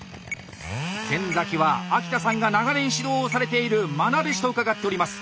先は秋田さんが長年指導をされているまな弟子と伺っております。